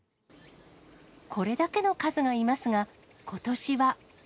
これだけの数がいますが、ことしは。